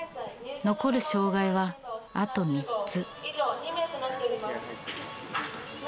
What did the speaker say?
残る障害はあと３つ。